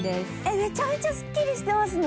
めちゃめちゃすっきりしてますね。